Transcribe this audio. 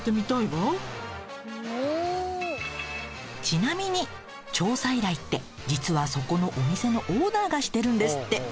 ちなみに調査依頼って実はそこのお店のオーナーがしてるんですって。